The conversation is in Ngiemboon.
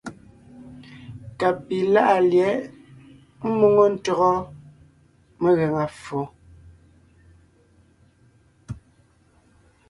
Ka pi láʼa lyɛ̌ʼ ḿmoŋo ntÿɔgɔ megaŋa ffo.